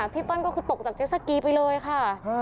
เปิ้ลก็คือตกจากเจสสกีไปเลยค่ะ